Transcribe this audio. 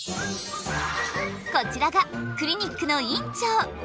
こちらがクリニックの院長！